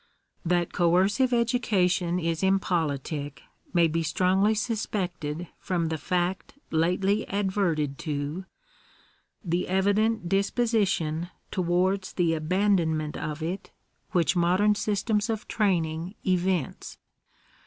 That coercive education is impolitic may be strongly sus pected from the fact lately adverted to — the evident disposition towards the abandonment of it which modern systems of train ing evince.